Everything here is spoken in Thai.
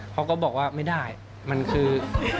เขาก็บอกว่าไม่ได้มันคือ